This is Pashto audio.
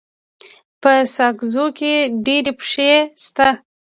په ساکزو کي ډيري پښي سته.